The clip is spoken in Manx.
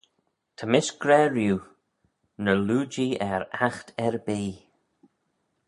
Ta mish gra riu, ny loo-jee er aght erbee.